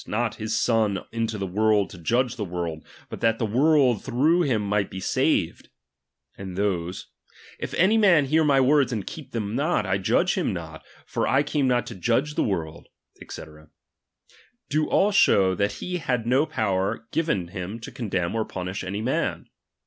iot his Son into the world, to judge the world, but that the world through him might be saved ; and those : If any man hear my words, and keep them not, I judge him not ; for I came ?iot to judge the world, &c. : do all show, that he had no power given him to condemn or punish »ny man.